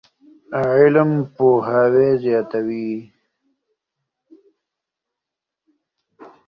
علم پوهاوی زیاتوي.